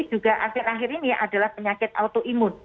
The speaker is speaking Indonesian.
juga akhir akhir ini adalah penyakit autoimun